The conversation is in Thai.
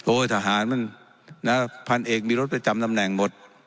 โอ้ยทหารมันพันเอกมีรถไปจำแนมแนงหมด